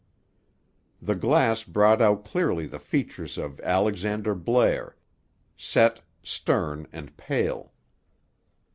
The glass brought out clearly the features of Alexander Blair, set, stern, and pale.